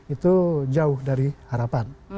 itu jauh dari harapan